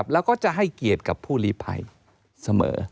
แล้วก็จะให้เกียรติกับผู้ลีภัยเสมอ